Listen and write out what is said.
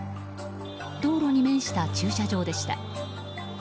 道路に面した駐車場でした。